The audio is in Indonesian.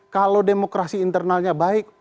kalau demokrasi internalnya baik